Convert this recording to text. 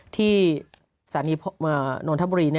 ที่ศาลีองค์โน้นธังบุรี